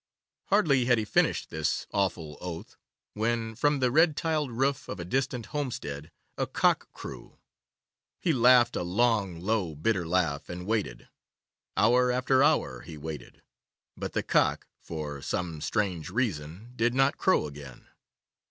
Hardly had he finished this awful oath when, from the red tiled roof of a distant homestead, a cock crew. He laughed a long, low, bitter laugh, and waited. Hour after hour he waited, but the cock, for some strange reason, did not crow again.